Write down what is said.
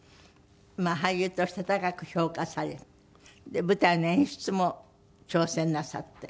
俳優として高く評価されで舞台の演出も挑戦なさって。